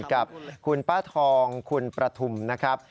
กับคุณป้าทองคุณประทุมนะครับ